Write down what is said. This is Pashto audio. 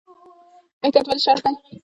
احتیاط ولې شرط دی؟